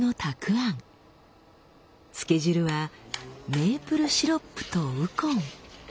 漬け汁はメープルシロップとウコン。